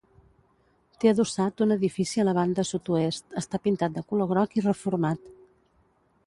Té adossat un edifici a la banda sud-oest: està pintat de color groc i reformat.